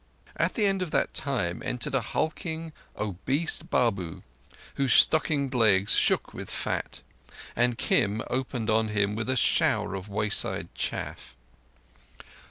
At the end of that time entered a hulking, obese Babu whose stockinged legs shook with fat, and Kim opened on him with a shower of wayside chaff.